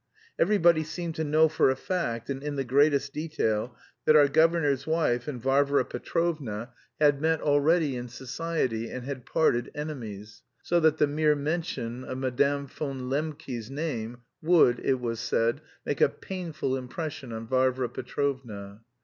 Everybody seemed to know for a fact, and in the greatest detail, that our governor's wife and Varvara Petrovna had met already in society and had parted enemies, so that the mere mention of Madame von Lembke's name would, it was said, make a painful impression on Varvara Petrovna.